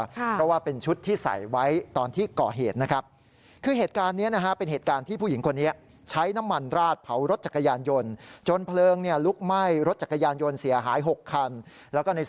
เพราะว่าเป็นชุดที่ใส่ไว้ตอนที่ก่อเหตุนะครับ